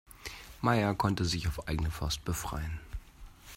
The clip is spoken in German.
Meier konnte sich auf eigene Faust befreien.